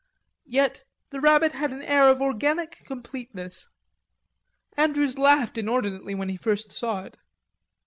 Yet the rabbit had an air of organic completeness. Andrews laughed inordinately when he first saw it.